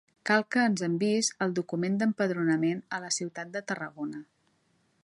Cal que ens enviïs el document d'empadronament a la ciutat de Tarragona.